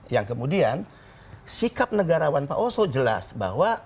yang kemudian sikap negarawan pak oso jelas bahwa